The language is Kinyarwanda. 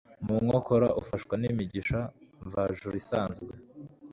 mu nkokora ufashwa nimigisha mvajuru isanzwe